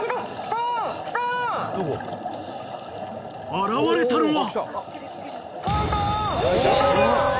［現れたのは！？］